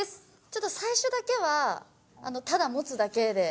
ちょっと最初だけはただ持つだけで。